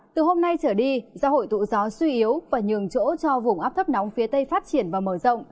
từ hôm nay trở đi do hội tụ gió suy yếu và nhường chỗ cho vùng áp thấp nóng phía tây phát triển và mở rộng